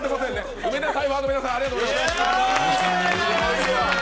梅田サイファーの皆さん、ありがとうございます。